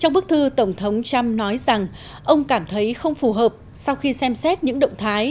trong bức thư tổng thống trump nói rằng ông cảm thấy không phù hợp sau khi xem xét những động thái